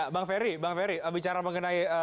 bang ferry bicara mengenai